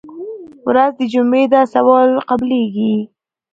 ورځ د جمعې ده سوال قبلېږي.